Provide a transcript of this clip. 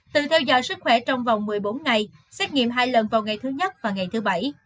từ theo dõi sức khỏe trong vòng một mươi bốn ngày xét nghiệm hai lần vào ngày thứ nhất và ngày thứ bảy